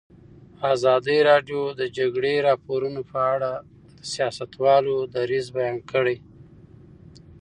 ازادي راډیو د د جګړې راپورونه په اړه د سیاستوالو دریځ بیان کړی.